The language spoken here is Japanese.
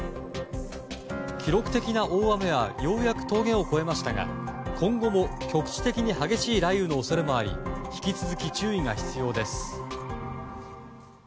記録的な大雨はようやく峠を越えましたが今後も局地的に激しい雷雨の恐れもあり引き続き注意が必要です。